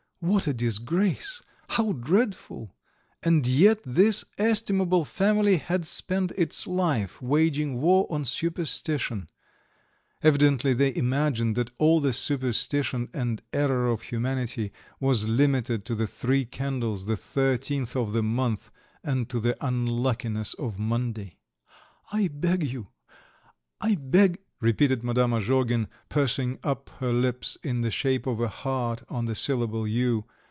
What a disgrace, how dreadful! And yet this estimable family had spent its life waging war on superstition; evidently they imagined that all the superstition and error of humanity was limited to the three candles, the thirteenth of the month, and to the unluckiness of Monday! "I beg you. .. I beg," repeated Madame Azhogin, pursing up her lips in the shape of a heart on the syllable "you."